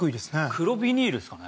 黒ビニールですかね？